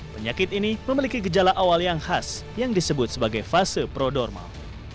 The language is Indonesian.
penyakit ini memiliki gejala awal yang khas yang disebut sebagai fase prodormal